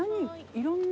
いろんな？